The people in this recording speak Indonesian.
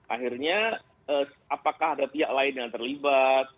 akhirnya apakah ada pihak lain yang terlibat